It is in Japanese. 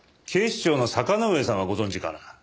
警視庁の坂之上さんはご存じかな？